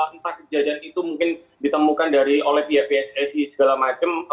entah kejadian itu mungkin ditemukan oleh pihak pssi segala macam